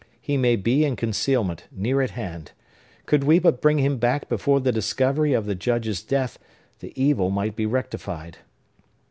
He may be in concealment, near at hand. Could we but bring him back before the discovery of the Judge's death, the evil might be rectified."